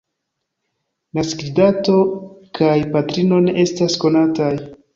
Naskiĝdato kaj patrino ne estas konataj.